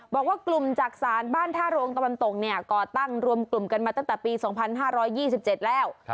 บอกว่ากลุ่มจักษานบ้านท่าโรงตะวันตกเนี่ยก่อตั้งรวมกลุ่มกันมาตั้งแต่ปี๒๕๒๗แล้ว